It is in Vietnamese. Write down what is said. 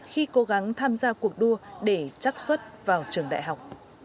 khi cố gắng tham gia cuộc đua để chắc xuất vào trường đại học